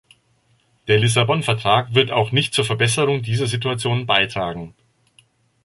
Der Lissabon-Vertrag wird auch nicht zur Verbesserung dieser Situation beitragen.